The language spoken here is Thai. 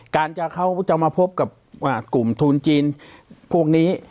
เขาจะมาพบกับกลุ่มทุนจีนพวกนี้